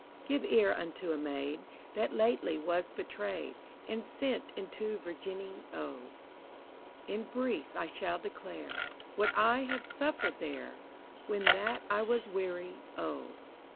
Give ear unto a Maid That lately was betray'd, And sent into Virginny, O: In brief I shall declare, What I have suffered there. When that I was wear>', O.